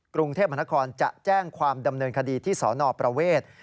กรุงเทพมหานครจะแจ้งความดำเนินคดีที่สนประเวท